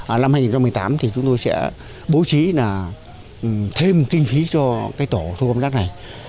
ở năm hai nghìn một mươi tám thì chúng tôi sẽ bố trí là thêm kinh phí cho cái tổ thu gom rác này